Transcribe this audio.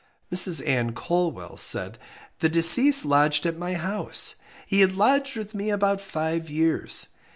Mrs Ann Colwell said The deceased lodged at my house. He had lodged with me about five years.